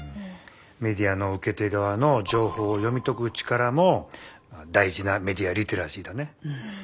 メディアの受け手がわの情報を読み解く力も大事なメディア・リテラシーだね。